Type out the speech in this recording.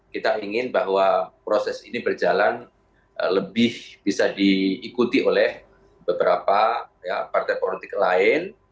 kita ingin bahwa proses ini berjalan lebih bisa diikuti oleh beberapa partai politik lain